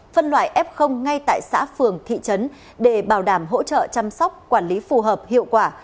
phân loại f ngay tại xã phường thị trấn để bảo đảm hỗ trợ chăm sóc quản lý phù hợp hiệu quả